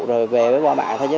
rồi về với ba bạn thôi chứ